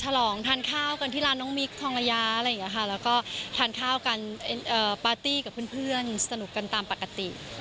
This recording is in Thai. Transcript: ลองทานข้าวกันที่ร้านน้องมิคทองระยะอะไรอย่างนี้ค่ะแล้วก็ทานข้าวกันปาร์ตี้กับเพื่อนสนุกกันตามปกติ